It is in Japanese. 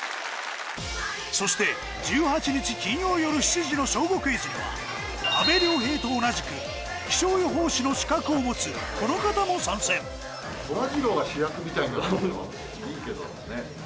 そして１８日金曜夜７時の『小５クイズ』には阿部亮平と同じく気象予報士の資格を持つこの方も参戦いいけどねっ。